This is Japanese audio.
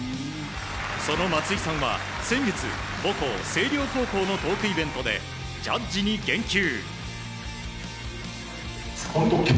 その松井さんは、先月母校・星稜高校のトークイベントでジャッジに言及。